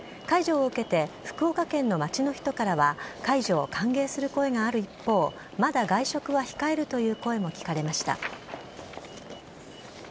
解除を受けて、福岡県の街の人からは、解除を歓迎する声がある一方、まだ外食は控えるという声も聞かれました。